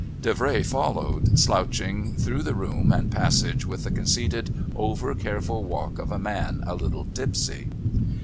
Davray followed, slouching through the room and passage with the conceited over careful walk of a man a little tipsy.